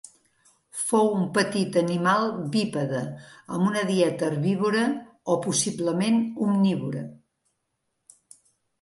Fou un petit animal bípede amb una dieta herbívora o possiblement omnívora.